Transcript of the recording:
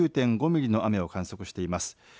４９．５ミリの雨を観測しています。